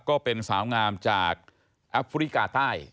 ก็เป็นสาวงามจากแอฟริกาใต้